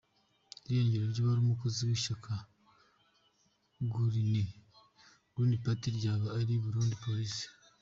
Irengero ry’uwari umukozi w’ishyaka gurini pati ryaba ari i Burundi- Polisi